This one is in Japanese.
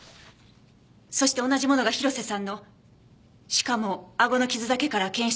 そして同じものが広瀬さんのしかもあごの傷だけから検出された。